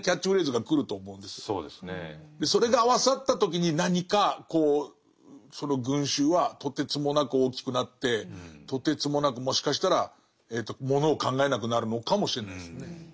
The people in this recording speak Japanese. それが合わさった時に何かこうその群衆はとてつもなく大きくなってとてつもなくもしかしたらものを考えなくなるのかもしれないですね。